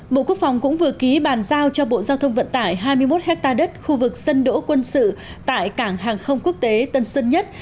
bộ quốc phòng cũng vừa ký bàn giao cho bộ giao thông vận tải hai mươi một hectare đất khu vực sân đỗ quân sự tại cảng hàng không quốc tế tân sơn nhất